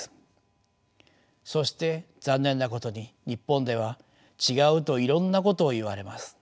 そして残念なことに日本では違うといろんなことを言われます。